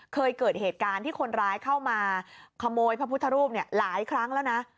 เคยเกิดเหตุการณ์ที่คนร้ายเข้ามาขโมยพระพุทธรูปหลายครั้งแล้วนะ